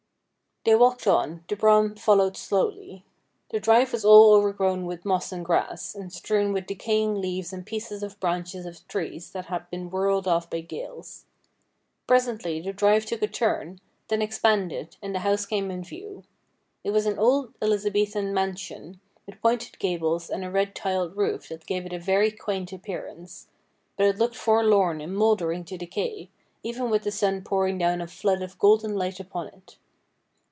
They walked on, the brougham followed slowly. The drive was all overgrown with moss and grass, and strewn with decaying leaves and pieces of branches of trees that had been whirled off by gales. Presently the drive took a turn, then expanded, and the house came in view. It was an old Elizabethan mansion, with pointed gables and a red tiled roof that gave it a very quaint appearance ; but it looked for lorn and mouldering to decay, even with the sun pouring down a flood of golden light upon it.